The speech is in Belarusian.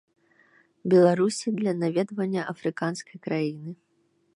Беларусі для наведвання афрыканскай краіны.